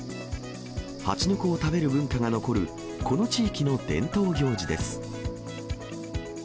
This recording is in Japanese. ハチノコを食べる文化が残る、この地域の伝統行事です。